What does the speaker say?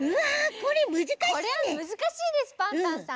これはむずかしいですパンタンさん。